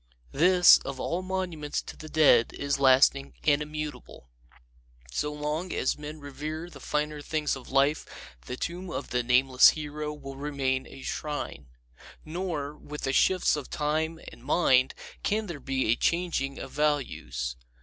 This, of all monuments to the dead, is lasting and immutable. So long as men revere the finer things of life the tomb of the nameless hero will remain a shrine. Nor, with the shifts of time and mind, can there be a changing of values.